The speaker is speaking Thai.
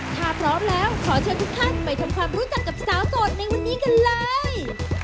ถ้าพร้อมแล้วขอเชิญทุกท่านไปทำความรู้จักกับสาวโสดในวันนี้กันเลย